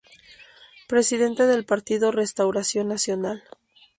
Presidente del Partido Restauración Nacional.